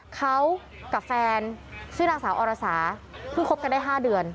เขากับแฟนชื่อนางสาวอรสาเพิ่งคบกันได้๕เดือน